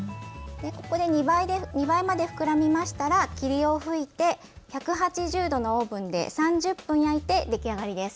ここで２倍まで膨らんだら霧を吹いて１８０度のオーブンで３０分焼いて出来上がりです。